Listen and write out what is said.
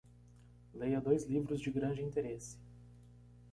Leia dois livros de grande interesse